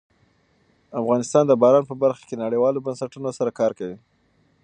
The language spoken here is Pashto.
افغانستان د باران په برخه کې نړیوالو بنسټونو سره کار کوي.